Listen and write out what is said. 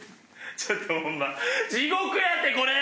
ちょっとホンマ地獄やってこれ！